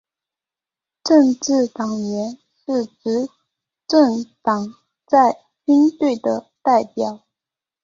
政治委员是执政党在军队的代表。